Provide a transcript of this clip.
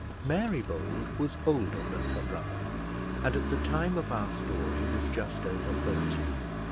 Mary Bold was older than her brother, and, at the time of our story, was just over thirty.